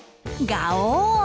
ガオー！